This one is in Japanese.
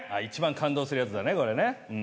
一番感動するやつだねこれね。